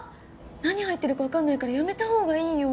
何入ってるか分かんないからやめた方がいいよ！